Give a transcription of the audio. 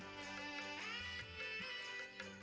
aku mau ke rumah